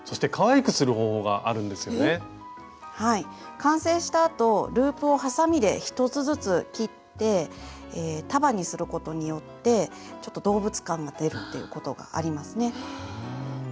完成したあとループをはさみで１つずつ切って束にすることによってちょっと動物感が出るっていうことがありますね。